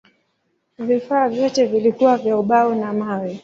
Vifaa vyote vilikuwa vya ubao na mawe.